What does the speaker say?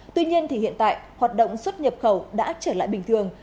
tuy nhiên thì hiện tại hoạt động xuất nhập khẩu đã trở lại bình thường